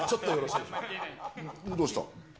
どうした？